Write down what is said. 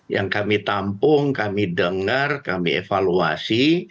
yang kami tampung kami dengar kami evaluasi